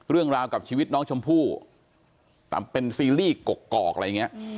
เรื่องราวกับชีวิตน้องชมพู่เป็นซีรีส์กอกอะไรอย่างนี้